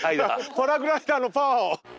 パラグライダーのパワーを。